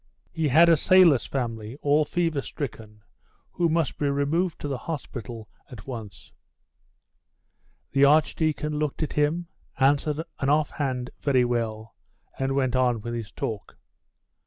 He had a sailor's family, all fever stricken, who must be removed to the hospital at once. The archdeacon looked at him, answered an off hand 'Very well,' and went on with his talk.